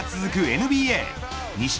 ＮＢＡ。